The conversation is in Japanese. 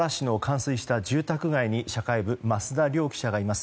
千葉・茂原市の冠水した住宅街に社会部、増田亮央記者がいます。